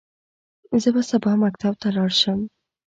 زه به سبا مکتب ته لاړ شم.